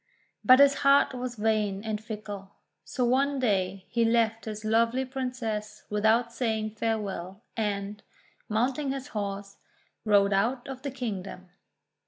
But his heart was vain and fickle. So one day he left his lovely Princess without saying farewell, and, mounting his horse, rode out of the kingdom.